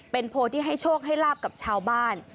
เป็นโพลที่ให้โชคให้ลาบกับชาวบ้าน